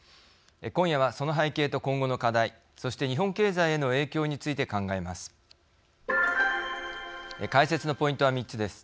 今夜は、その背景と今後の課題そして日本経済への影響について考えます。